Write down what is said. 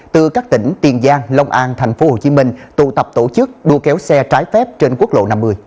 từ các tỉnh tiền giang long an tp hcm tụ tập tổ chức đua kéo xe trái phép trên quốc lộ năm mươi